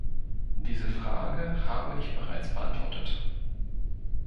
Diese Frage habe ich bereits beantwortet.